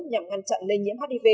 nhằm ngăn chặn lây nhiễm hiv